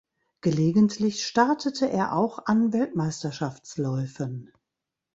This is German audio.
Gelegentlich startete er auch an Weltmeisterschaftsläufen.